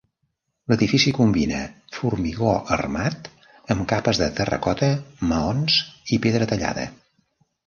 L'edifici combina formigó armat amb capes de terracota, maons i pedra tallada.